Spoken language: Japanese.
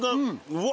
うわ